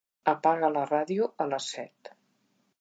Apaga la ràdio a les set.